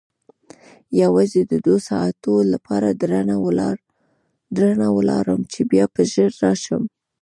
یوازې د دوو ساعتو لپاره درنه ولاړم چې بیا به ژر راشم.